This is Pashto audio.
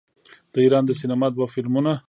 د ایران د سینما دوه فلمونه